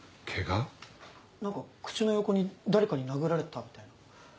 何か口の横に誰かに殴られたみたいな。